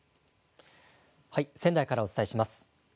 仙台からお伝えします。